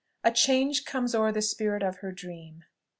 A CHANGE COMES O'ER THE SPIRIT OF HER DREAM.